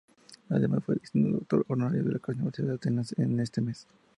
Además fue designado doctor honoris causa de la Universidad de Atenas en este mes.